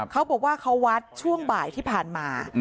เขาบอกว่าเขาวัดช่วงบ่ายที่ผ่านมา